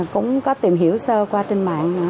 cũng có tìm hiểu sơ qua trên mạng